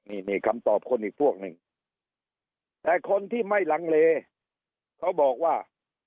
นี่นี่คำตอบคนอีกพวกหนึ่งแต่คนที่ไม่ลังเลเขาบอกว่า